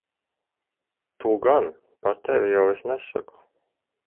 Tu gan. Par tevi jau es nesaku.